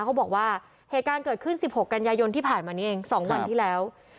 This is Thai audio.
เขาบอกว่าเหตุการณ์เกิดขึ้น๑๖กันยายนที่ผ่านมานี้เอง๒วันที่แล้ว